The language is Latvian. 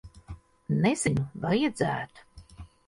Nezinu. Vajadzētu.